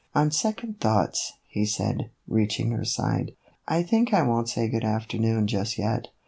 " On second thoughts," he said, reaching her side, " I think I won't say good afternoon just yet."